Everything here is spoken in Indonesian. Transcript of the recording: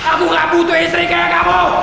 aku gak butuh istri kayak kamu